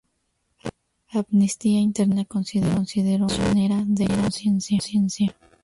Amnistía Internacional la consideró una prisionera de conciencia.